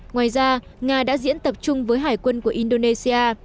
ngoài ra nga đã diễn tập chung với hải quân của indonesia